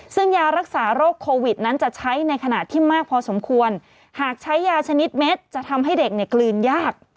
ซึ่งยารักษาโรคโควิดนั้นจะใช้ในขณะที่มากพอสมควรหากใช้ยาชนิดเม็ดจะทำให้เด็กเนี่ยกลืนยาก